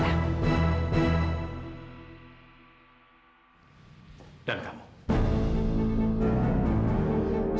saya menggaji kamu untuk kembali ke rumahmu